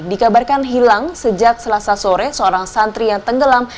dikabarkan hilang sejak selasa sore seorang santri yang tenggelam